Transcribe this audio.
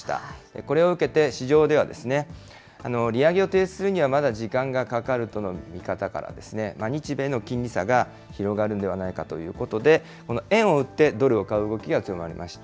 これを受けて市場では、利上げを停止するにはまだ時間がかかるとの見方から、日米の金利差が広がるんではないかということで、この円を売ってドルを買う動きが強まりました。